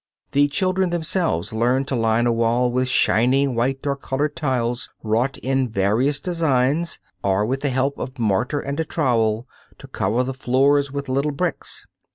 The children themselves learn to line a wall with shining white or colored tiles wrought in various designs, or, with the help of mortar and a trowel, to cover the floor with little bricks.